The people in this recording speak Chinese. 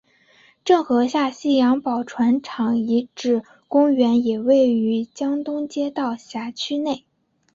郑和下西洋宝船厂遗址公园也位于江东街道辖区内。